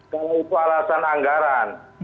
karena itu alasan anggaran